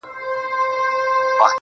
o زه مي د ميني په نيت وركړمه زړه.